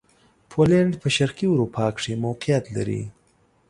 پولېنډ په شرقي اروپا کښې موقعیت لري.